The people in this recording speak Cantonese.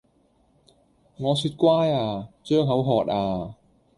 我說乖呀！張口喝呀